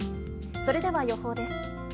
それでは予報です。